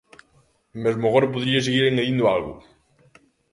Mesmo agora podería seguir engadindo algo.